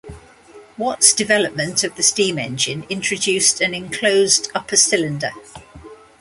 Watt's development of the steam engine introduced an enclosed upper cylinder.